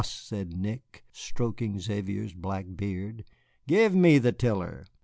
said Nick, stroking Xavier's black beard, "give me the tiller.